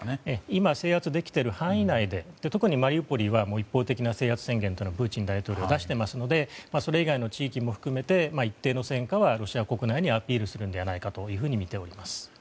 今、制圧できている範囲内で特にマリウポリは一方的な制圧宣言をプーチン大統領は出しているのでそれ以外の地域も含めて一定の戦果はロシア国内にアピールするのではと見ています。